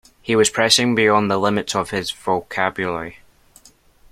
He was pressing beyond the limits of his vocabulary.